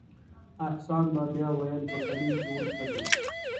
احسان به بیا ویل په کمین کې ونښتو.